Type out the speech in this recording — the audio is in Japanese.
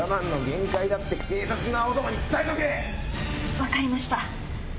分かりました。